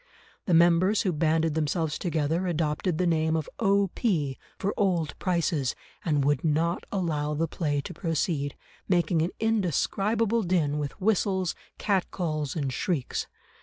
The members who banded themselves together adopted the name of O.P., for Old Prices, and would not allow the play to proceed, making an indescribable din with whistles, cat calls, and shrieks.